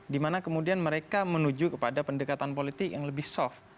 dimana kemudian mereka menuju kepada pendekatan politik yang lebih soft